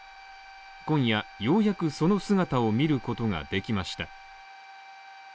今夜、ようやくその姿を見ることができました。